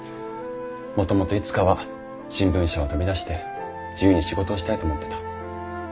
もともといつかは新聞社を飛び出して自由に仕事をしたいと思ってた。